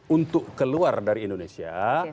untuk keluar dari indonesia